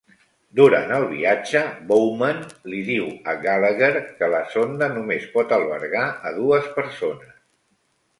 Durant el viatge, Bowman li diu a Gallagher que la sonda només pot albergar a dues persones.